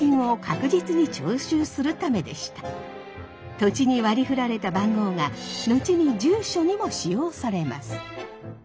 土地に割りふられた番号が後に住所にも使用されます。